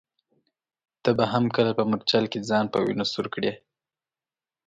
ته به هم کله په مورچل کي ځان په وینو سور کړې ؟